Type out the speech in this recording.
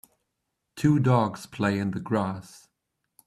Two dogs play in the grass.